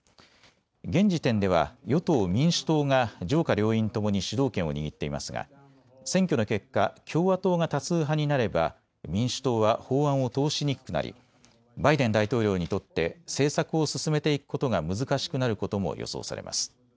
現時点では与党・民主党が上下両院ともに主導権を握っていますが選挙の結果、共和党が多数派になれば民主党は法案を通しにくくなりバイデン大統領にとって政策を進めていくことが難しくなることも予想されます。